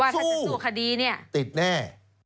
สู้ติดแน่